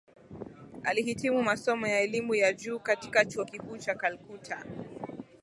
Alihitimu masomo ya elimu ya juu katika Chuo Kikuu cha Calcutta